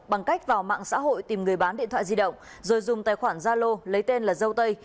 bằng cách vào mạng xã hội tìm người bán điện thoại di động rồi dùng tài khoản zalo lấy tên là dâu tây